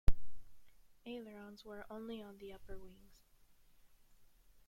Ailerons were only on the upper wings.